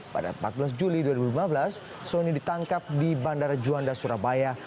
pada empat belas juli dua ribu lima belas soni ditangkap di bandara juanda surabaya